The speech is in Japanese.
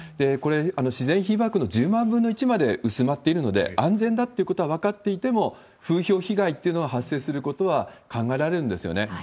これ、自然被ばくの１０万分の１まで薄まっているので、安全だっていうことは分かっていても、風評被害っていうのは発生することは考えられるんですよね。